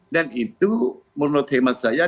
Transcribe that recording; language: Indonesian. dan itu menurut hemat saya